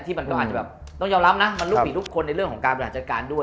มันก็อาจจะแบบต้องยอมรับนะมันลูกผีทุกคนในเรื่องของการบริหารจัดการด้วย